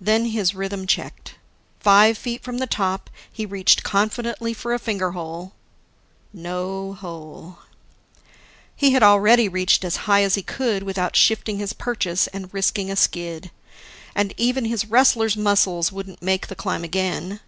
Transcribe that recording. Then his rhythm checked. Five feet from the top, he reached confidently for a finger hole ... No hole. He had already reached as high as he could without shifting his purchase and risking a skid and even his wrestler's muscles wouldn't make the climb again.